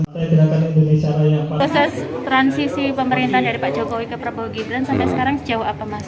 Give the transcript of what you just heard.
proses transisi pemerintahan dari pak jokowi ke prabowo gibran sampai sekarang sejauh apa mas